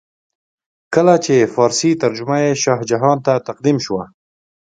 کله چې فارسي ترجمه یې شاه جهان ته تقدیم شوه.